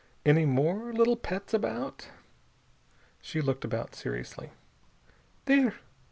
"Any more little pets about?" She looked about seriously. "There."